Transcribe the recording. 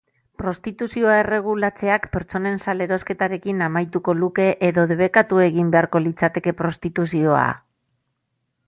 Prostituzioa erregulatzeak pertsonen salerosketarekin amaituko luke edo debekatu egin beharko litzateke prostituzioa?